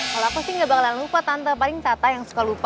kalau aku sih gak bakalan lupa tante paling tante yang suka lupa